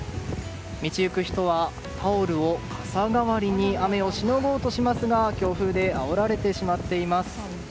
道行く人はタオルを傘代わりに雨をしのごうとしますが強風であおられてしまっています。